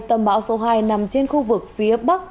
tâm bão số hai nằm trên khu vực phía bắc